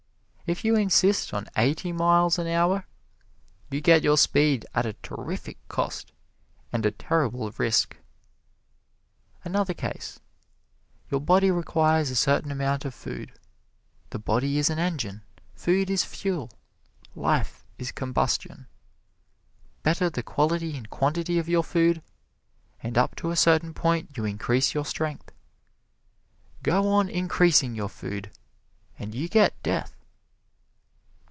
If you insist on eighty miles an hour, you get your speed at a terrific cost and a terrible risk. Another case: Your body requires a certain amount of food the body is an engine; food is fuel; life is combustion. Better the quality and quantity of your food, and up to a certain point you increase your strength. Go on increasing your food and you get death.